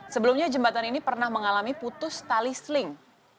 sebelumnya jembatan ini pernah mengalami putus tali seling